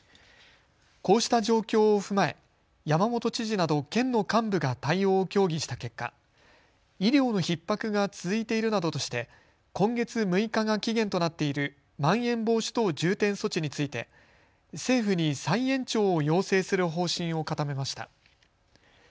こうした状況を踏まえ山本知事など県の幹部が対応を協議した結果、医療のひっ迫が続いているなどとして今月６日が期限となっているまん延防止等重点措置について政府に再延長を要請する方針を固めました。